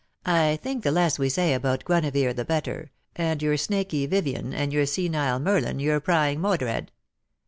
" I think the less we say about Guinevere the better, and your snaky Vivien, and your senile Merlin, your prying ^lodred.